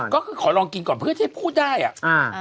ก็คือขอลองกินก่อนเพื่อที่พูดได้อ่ะอ่า